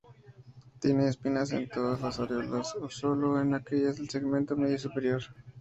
Tiene espinas en todas las areolas, o sólo en aquellas del segmento medio superior.